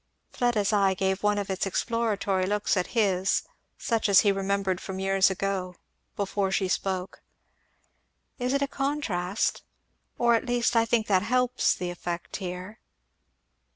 Fleda's eye gave one of its exploratory looks at his, such as he remembered from years ago, before she spoke. "Isn't it contrast? or at least I think that helps the effect here."